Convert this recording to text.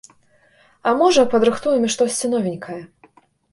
А можа, падрыхтуем і штосьці новенькае.